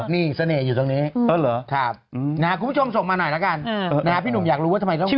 นี่สะเน่อยู่ตรงนี้นะครับคุณผู้ชมส่งมาหน่อยละกันพี่หนุ่มอยากรู้ว่าทำไมเขาไหว